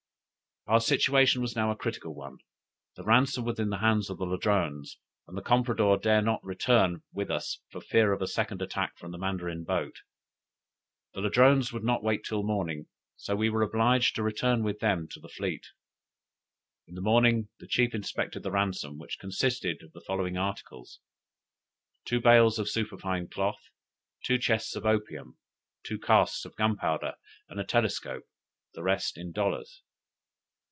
Our situation was now a critical one; the ransom was in the hands of the Ladrones, and the compradore dare not return with us for fear of a second attack from the Mandarin boat. The Ladrones would not wait till morning, so we were obliged to return with them to the fleet. In the morning the chief inspected the ransom, which consisted of the following articles: two bales of superfine cloth; two chests of opium; two casks of gunpowder, and a telescope; the rest in dollars.